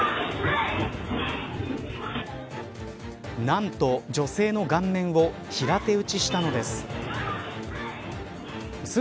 なんと、女性の顔面を平手打ちしたのです。